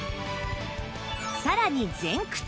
さらに前屈